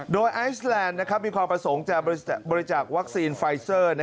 โดยไอซ์แลนด์มีความประสงค์จะบริจาควัคซีนไฟเซอร์